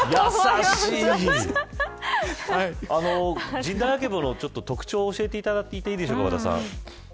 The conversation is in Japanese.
ジンダイアケボノの特徴を教えていただいていいでしょうか。